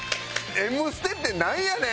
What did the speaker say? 『Ｍステ』ってなんやねん！